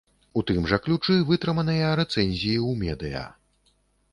У тым жа ключы вытрыманыя рэцэнзіі ў медыя.